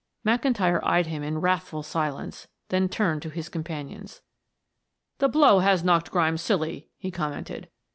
McIntyre eyed him in wrathful silence, then turned to his companions. "The blow has knocked Grimes silly," he commented.